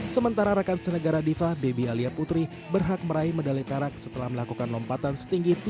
sementara rekan senegara diva beby alia putri berhak meraih medali perak setelah melakukan lompatan setinggi tiga empat puluh meter